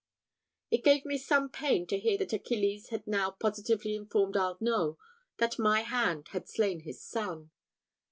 It gave me some pain to hear that Achilles had now positively informed Arnault that my hand had slain his son.